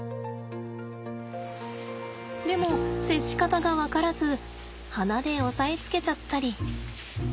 でも接し方が分からず鼻で押さえつけちゃったり。